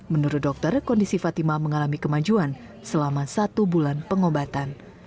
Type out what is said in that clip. menurut dokter kondisi fatima mengalami kemajuan selama satu bulan pengobatan